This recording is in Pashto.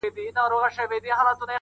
دې لېوني ماحول کي ووایه پر چا مئين يم؟